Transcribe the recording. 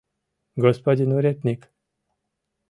Господин уретник!